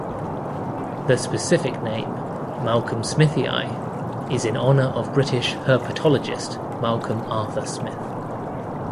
The specific name, "malcolmsmithi", is in honor of British herpetologist Malcolm Arthur Smith.